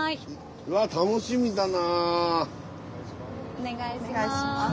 お願いします。